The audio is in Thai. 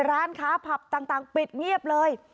ร้านค้าผับต่างปิดเงียบเลย